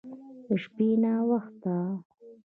د شپې ناوخته